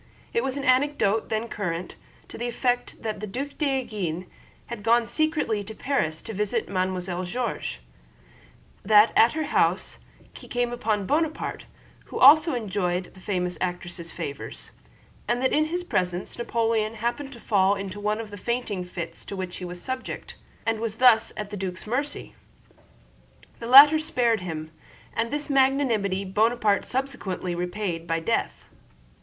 It was an anecdote, then current, to the effect that the Duc d'Enghien had gone secretly to Paris to visit Mademoiselle George; that at her house he came upon Bonaparte, who also enjoyed the famous actress' favors, and that in his presence Napoleon happened to fall into one of the fainting fits to which he was subject, and was thus at the duc's mercy. The latter spared him, and this magnanimity Bonaparte subsequently repaid by death.